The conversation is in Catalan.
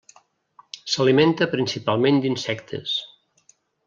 S'alimenta principalment d'insectes.